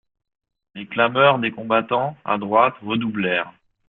Les clameurs des combattants, à droite, redoublèrent.